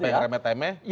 apa yang remeh temeh